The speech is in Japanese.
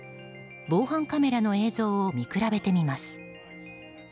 防犯カメラの映像を見比べてみます。